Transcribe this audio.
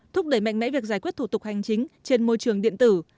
thúc đẩy mạnh mẽ việc giải quyết thủ tục hành chính trên môi trường điện tử